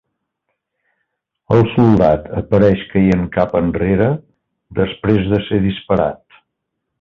El soldat apareix caient cap enrere després de ser disparat.